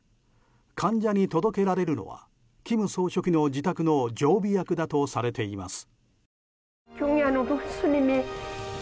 患者に届けられるのは金総書記の自宅の常備薬だとされています。